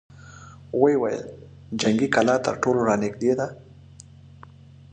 ويې ويل: جنګي کلا تر ټولو را نېږدې ده!